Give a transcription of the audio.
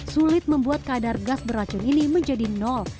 sulit membuat kadar gas beracun ini menjadi nol